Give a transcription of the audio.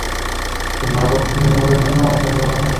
মাদক নির্মূলের জন্য ক্রসফায়ারের ঘটনা পর্যন্ত ঘটছে।